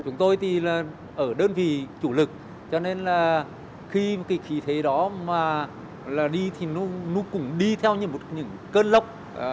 chúng tôi thì ở đơn vị chủ lực cho nên là khi thế đó mà đi thì nó cũng đi theo những cơn lốc